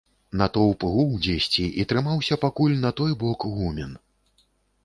Натоўп гуў дзесьці і трымаўся пакуль на той бок гумен.